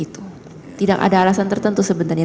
tidak ada alasan tertentu sebenarnya